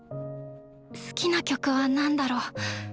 好きな曲はなんだろう？